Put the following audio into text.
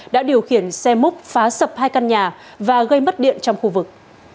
đã điều khiển xe múc phá sập hai căn nhà và gây mất điện trong khu vực